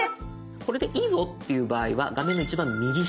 これでいいぞっていう場合は画面の一番右下。